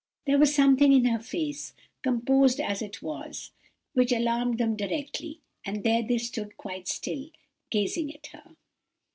There was something in her face, composed as it was, which alarmed them directly, and there they stood quite still, gazing at her.